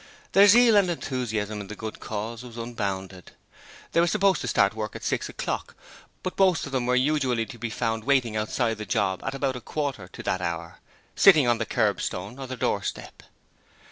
Their zeal and enthusiasm in the good cause was unbounded. They were supposed to start work at six o'clock, but most of them were usually to be found waiting outside the job at about a quarter to that hour, sitting on the kerbstones or the doorstep.